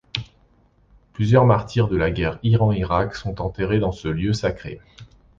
Plusieurs martyrs de la guerre Iran-Irak sont enterrés dans ce lieu sacré.